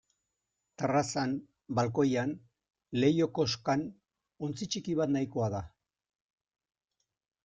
Terrazan, balkoian, leiho-koskan ontzi ttiki bat nahikoa da.